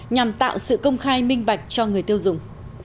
nhằm tạo sự công khai minh bạch cho người tiêu dùng